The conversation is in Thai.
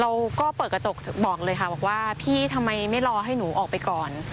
เราก็เปิดกระจกบอกเลยค่ะบอกว่าพี่ทำไมไม่รอให้หนูออกไปก่อน